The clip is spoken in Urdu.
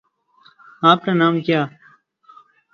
آپ کا نام کیا